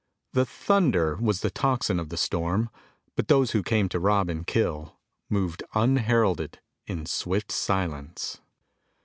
The thunder was the tocsin of the storm, but those who came to rob and kill moved unheralded in swift silence.